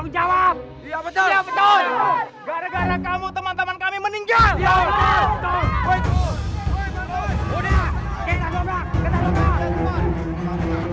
udah kita goblak kita goblak